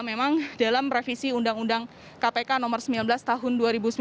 memang dalam revisi undang undang kpk nomor sembilan belas tahun dua ribu sembilan belas